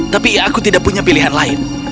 tapi ya aku tidak punya pilihan lain